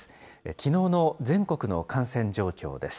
きのうの全国の感染状況です。